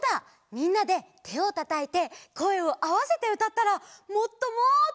みんなでてをたたいてこえをあわせてうたったらもっともっとたのしくなるかも！